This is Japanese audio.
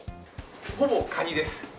ほぼカニです。